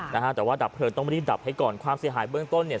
นะฮะแต่ว่าดับเพลิงต้องรีบดับให้ก่อนความเสียหายเบื้องต้นเนี่ย